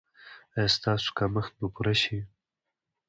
ایا ستاسو کمښت به پوره شي؟